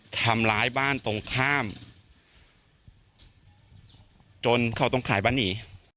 ทำร้ายบ้านตรงข้ามจนเขาต้องขายบ้านหนี